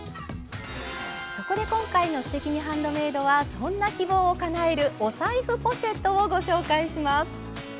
そこで今回の「すてきにハンドメイド」はそんな希望をかなえるお財布ポシェットをご紹介します。